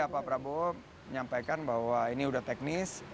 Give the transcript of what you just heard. pak prabowo menyampaikan bahwa ini sudah teknis